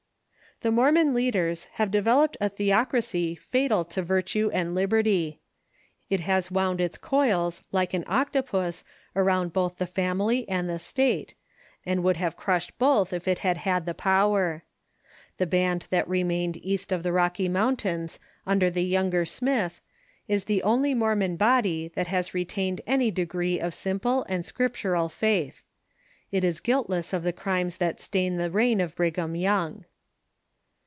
The Mormon leaders have developed a theocracy fatal to virtue and liberty. It has wound its coils like an octopus around both the family and the state, and would have crushed both if it had had the power. The band that remained east of the Rocky Mountains under the younger Smith is the only Mormon body that has retained any degree of simple and Scriptural faith. It is guiltless of the crimes that stain the reign of Brigham Young.